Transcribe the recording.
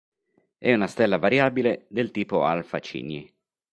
È una stella variabile del tipo Alfa Cygni.